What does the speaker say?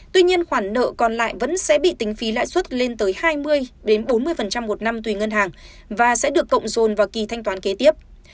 tuy nhiên khoản nợ còn lại vẫn sẽ bị tính phí lãi suất lên tới hai mươi bốn mươi một năm tùy ngân hàng và sẽ được cộng dồn vào kỳ thanh toán kế tiếp